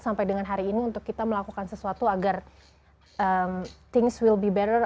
sampai dengan hari ini untuk kita melakukan sesuatu agar things will be better